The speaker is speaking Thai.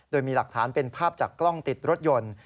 โดยมีหลักฐานเป็นภาพจากกล้องติดรถยนต์